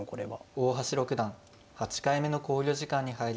大橋六段８回目の考慮時間に入りました。